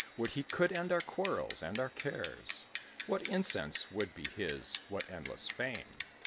Would he could end our quarrels and our cares! What incense would be his, what endless fame!